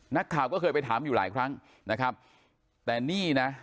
นักข่าวก็เคยไปถามอยู่หลายครั้งนะครับแต่นี่นะ